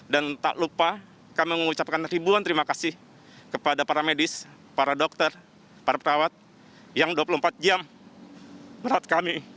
dan tak lupa kami mengucapkan ribuan terima kasih kepada para medis para dokter para perawat yang dua puluh empat jam berat kami